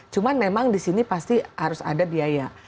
cuma memang disini pasti harus ada biaya